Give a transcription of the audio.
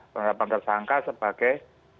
penetapan tersangka sebagai